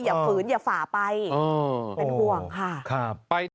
ฝืนอย่าฝ่าไปเป็นห่วงค่ะ